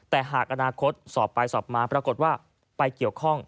แต่หากอนาคตสอบไปสอบมาปรากฏว่าไปเกี่ยวข้อง